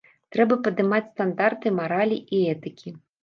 Трэба падымаць стандарты маралі і этыкі.